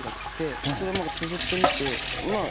それをつづってみてまぁ。